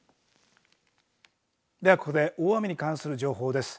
ではここで大雨に関する情報です。